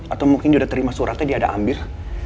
atau mungkin dia udah terima suratnya dia ada ambil